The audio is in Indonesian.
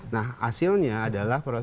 nah hasilnya adalah proses